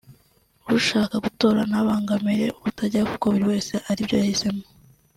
ushaka gutora ntabangamire utajyayo kuko buri wese ari byo yahisemo”